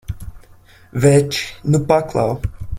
Veči, nu paklau!